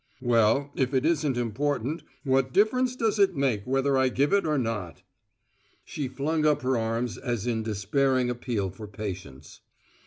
"Well, if it isn't important, what difference does it make whether I give it or not?" She flung up her arms as in despairing appeal for patience.